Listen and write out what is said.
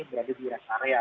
berada di res area